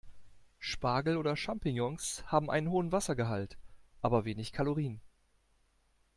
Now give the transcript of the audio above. Spargel oder Champignons haben einen hohen Wassergehalt, aber wenige Kalorien.